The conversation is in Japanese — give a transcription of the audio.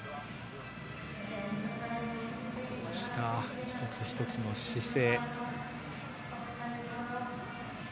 こうした一つ一つの姿勢。